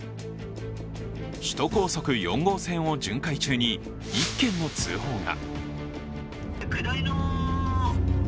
首都高速４号線を巡回中に１件の通報が。